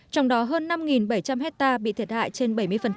trong đó hơn năm bảy trăm linh hectare bị thiệt hại trên bảy mươi